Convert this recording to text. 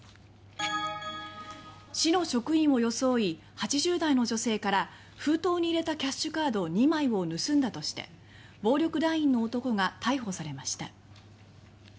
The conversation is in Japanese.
市の職員を装い８０代の女性から封筒に入れたキャッシュカード２枚を盗んだとして暴力団員の男が逮捕されました。